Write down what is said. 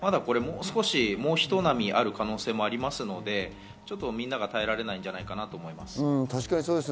もうひと波ある可能性もありますのでみんなが耐えられないんじゃないかなと思います。